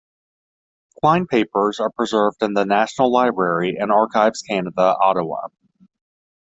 Klein papers are preserved in the National Library and Archives Canada, Ottawa.